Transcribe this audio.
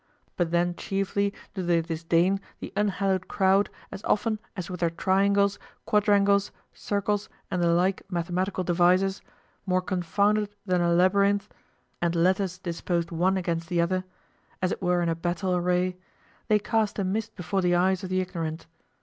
But then chiefly do they disdain the unhallowed crowd as often as with their triangles, quadrangles, circles, and the like mathematical devices, more confounded than a labyrinth, and letters disposed one against the other, as it were in battle array, they cast a mist before the eyes of the ignorant.